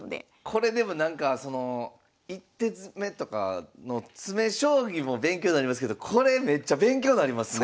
これでもなんかその１手詰とかの詰将棋も勉強になりますけどこれめっちゃ勉強なりますね。